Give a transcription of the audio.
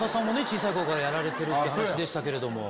小さい頃からやられてるって話でしたけれども。